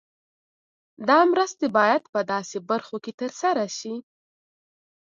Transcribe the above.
دا مرستې باید په داسې برخو کې تر سره شي.